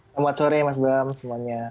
selamat sore mas bram semuanya